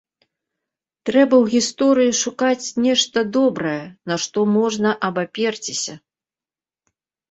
Трэба ў гісторыі шукаць нешта добрае, на што можна абаперціся.